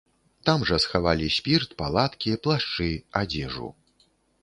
Там жа схавалі спірт, палаткі, плашчы, адзежу.